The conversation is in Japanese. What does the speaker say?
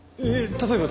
例えば？